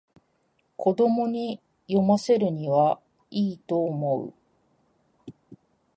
子供に読ませるにはいいと思う